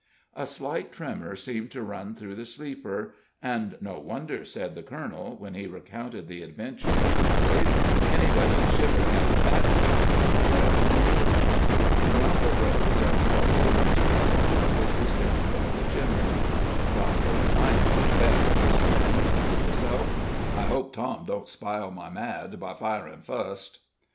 A slight tremor seemed to run through the sleeper; "and no wonder," said the colonel, when he recounted the adventure to the boys; "anybody'd shiver to hev that catamount glarin' at him." Grump arose, and softly went to a corner which was hidden by the chimney. "Gone for his knife, I'll bet," whispered the colonel to himself. "I hope Tom don't spile my mad by firin' fust."